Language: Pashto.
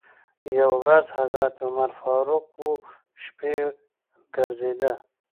یوه ورځ حضرت عمر فاروق و شپې ګرځېده.